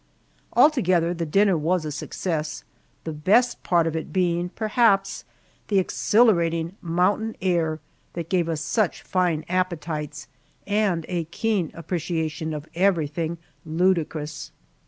Altogether the dinner was a success, the best part of it being, perhaps, the exhilarating mountain air that gave us such fine appetites, and a keen appreciation of everything ludicrous.